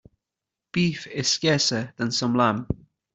Beef is scarcer than some lamb.